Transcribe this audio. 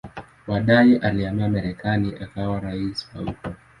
Baadaye alihamia Marekani akawa raia wa huko.